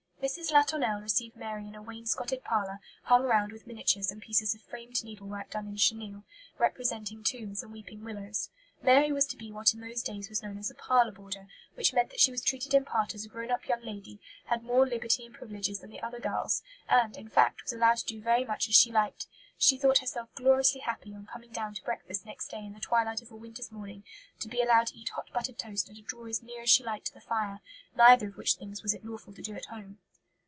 Mrs. Latournelle received Mary in a wainscotted parlour, hung round with miniatures and pieces of framed needlework done in chenille, representing tombs and weeping willows. Mary was to be what in those days was known as a "parlour boarder," which meant that she was treated in part as a grown up young lady, had more liberty and privileges than the other girls, and, in fact, was allowed to do very much as she liked. She thought herself gloriously happy, on coming down to breakfast next day in the twilight of a winter's morning, to be allowed to eat hot buttered toast and to draw as near as she liked to the fire; neither of which things was it lawful to do at home.